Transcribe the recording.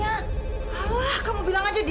alah kamu bilang aja dia